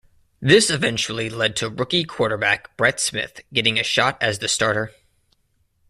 This eventually led to rookie quarterback Brett Smith getting a shot as the starter.